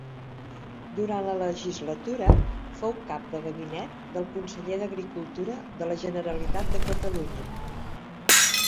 Durant la legislatura fou cap de gabinet del Conseller d'Agricultura de la Generalitat de Catalunya.